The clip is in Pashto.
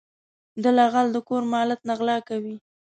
دله غل د کور مالت نه غلا کوي.